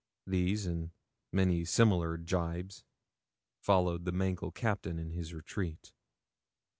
These and many similar jibes followed the mangled Captain in his retreat.